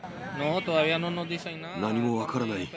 何も分からない。